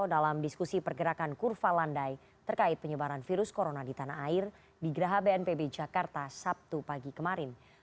dalam diskusi pergerakan kurva landai terkait penyebaran virus corona di tanah air di geraha bnpb jakarta sabtu pagi kemarin